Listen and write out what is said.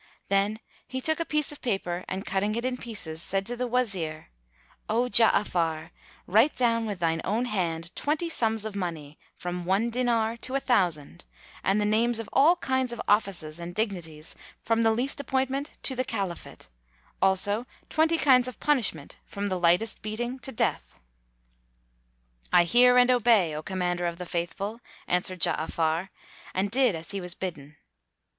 Then he took a piece of paper and cutting it in pieces, said to the Wazir, "O Ja'afar, write down with thine own hand twenty sums of money, from one dinar to a thousand, and the names of all kinds of offices and dignities from the least appointment to the Caliphate; also twenty kinds of punishment from the lightest beating to death." [FN#240] "I hear and obey, O Commander of the Faithful," answered Ja'afar, and did as he was bidden.